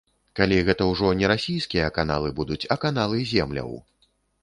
Калі гэта ўжо не расійскія каналы будуць, а каналы земляў.